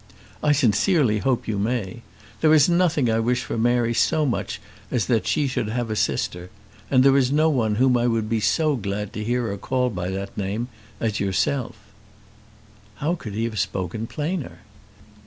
"I sincerely hope you may. There is nothing I wish for Mary so much as that she should have a sister. And there is no one whom I would be so glad to hear her call by that name as yourself." How could he have spoken plainer?